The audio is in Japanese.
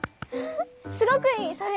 すごくいいそれ。